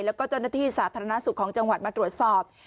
แล้วก็เจ้าหน้าที่สาธารณสุขของจังหวัดมาตรวจสอบ